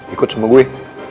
ikut sama gue